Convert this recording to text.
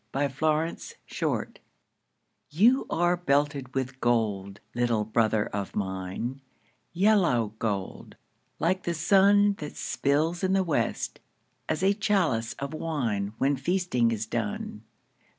THE HOMING BEE You are belted with gold, little brother of mine, Yellow gold, like the sun That spills in the west, as a chalice of wine When feasting is done.